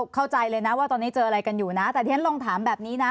เข้าใจเลยนะว่าตอนนี้เจออะไรกันอยู่นะแต่ที่ฉันลองถามแบบนี้นะ